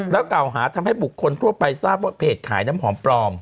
แล้วกล่าวหาทำให้บุคคลทั่วไปทราบว่าเพจขายน้ำหอมปลอม